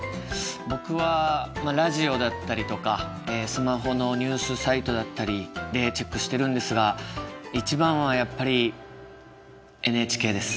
僕はラジオだったりとかスマホのニュースサイトだったりでチェックしてるんですが一番はやっぱりＮＨＫです。